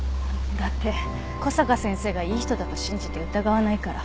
だって小坂先生がいい人だと信じて疑わないから。